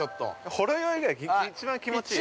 ◆ほろ酔い、一番気持ちいいやつ。